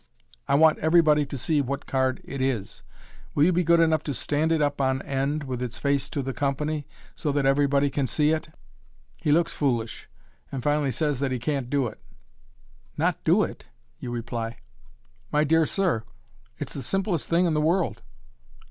I want everybody to see what card it is. Will you be good enough to stand it up on end, with its face to the company, so that everybody can see it." He looks foolish, and finally says that he can't do it. u Not do it ?" you reply. " My dear sir, it's the simplest thing in the world.